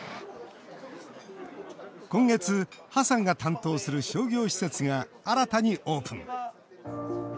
今月、河さんが担当する商業施設が新たにオープン。